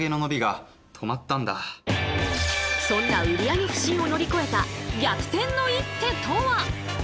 そんな売り上げ不振を乗り越えた逆転の一手とは？